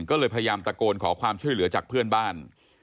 ก็เลยพยายามตะโกนขอความช่วยเหลือจากเพื่อนบ้าน